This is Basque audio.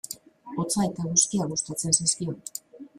Hotza eta eguzkia gustatzen zaizkio.